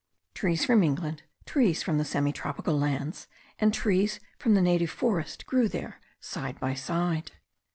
Trees from England, trees from the semi tropical islands, and trees from the native forest grew there side by side.